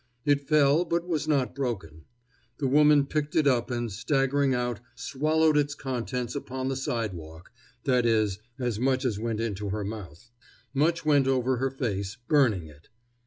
It fell, but was not broken. The woman picked it up, and staggering out, swallowed its contents upon the sidewalk that is, as much as went into her mouth. Much went over her face, burning it.